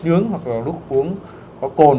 nướng hoặc là lúc uống có cồn